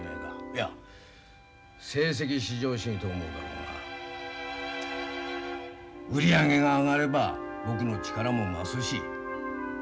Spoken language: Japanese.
いや成績至上主義と思うだろうが売り上げが上がれば僕の力も増すし君へのバックアップも強くなる。